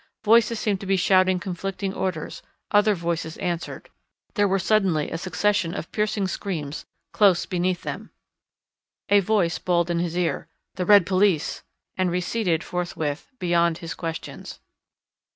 Voices seemed to be shouting conflicting orders, other voices answered. There were suddenly a succession of piercing screams close beneath them. A voice bawled in his ear, "The red police," and receded forthwith beyond his questions.